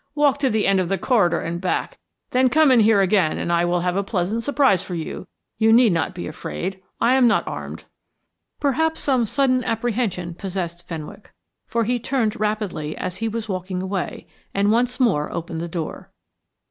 Walk to the end of the corridor and back, then come in here again and I will have a pleasant surprise for you. You need not be afraid I am not armed." Perhaps some sudden apprehension possessed Fenwick, for he turned rapidly as he was walking away and once more opened the door.